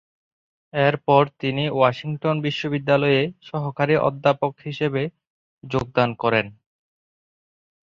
এরপর তিনি ওয়াশিংটন বিশ্ববিদ্যালয়ে সহকারী অধ্যাপক হিসেবে যোগদান করেন।